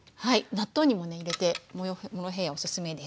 納豆にもね入れてモロヘイヤおすすめです。